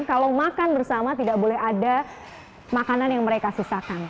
kalau makan bersama tidak boleh ada makanan yang mereka sisakan